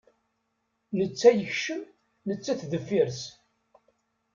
Netta yekcem, nettat deffir-s.